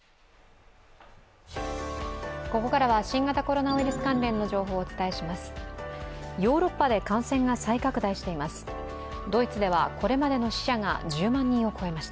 ここからは新型コロナウイルス関連の情報をお伝えします。